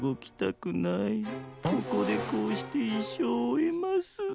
ここでこうしていっしょうをおえます。